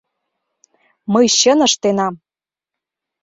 — Мый чын ыштенам!